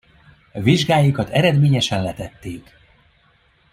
Vizsgáikat eredményesen letették.